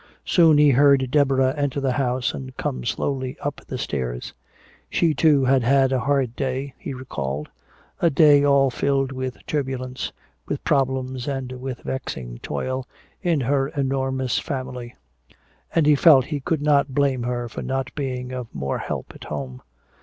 Soon he heard Deborah enter the house and come slowly up the stairs. She too had had a hard day, he recalled, a day all filled with turbulence, with problems and with vexing toil, in her enormous family. And he felt he could not blame her for not being of more help at home.